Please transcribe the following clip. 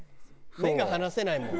目が離せないのよ。